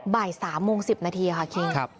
บ่าย๓โมง๑๐นาทีค่ะคิง